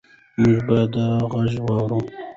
موږ باید دا غږ واورو.